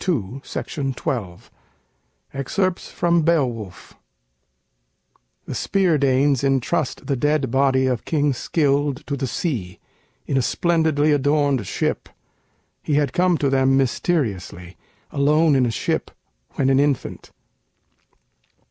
[Illustration: Signature: "Robert Sharp"] FROM 'BEOWULF' [The Spear Danes intrust the dead body of King Scyld to the sea, in a splendidly adorned ship. He had come to them mysteriously, alone in a ship, when an infant.